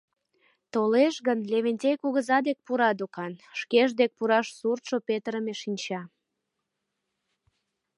Толеш гын, Левентей кугыза дек пура докан, шкеж дек пураш суртшо петырыме шинча.